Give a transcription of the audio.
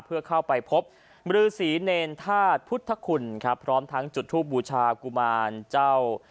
เพื่อเข้าไปพบมรือศรีเนรธาตุพุทธคุณครับพร้อมทั้งจุดทูบบูชากุมารเจ้า